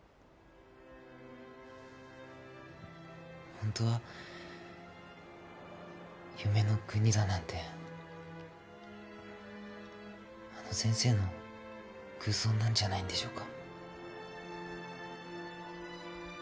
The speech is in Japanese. ホントは夢の国だなんてあの先生の空想なんじゃないんでしょうか？